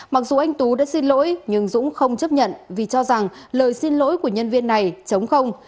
mặc dù anh tú đã xin lỗi nhưng dũng không chấp nhận vì cho rằng lời xin lỗi của nhân viên này chống không